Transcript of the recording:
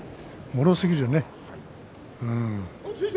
もろすぎるね。